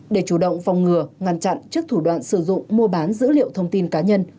để chủ động phòng ngừa ngăn chặn trước thủ đoạn sử dụng mua bán dữ liệu thông tin cá nhân